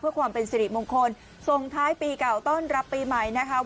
เพื่อความเป็นสิริมงคลส่งท้ายปีเก่าต้อนรับปีใหม่นะคะ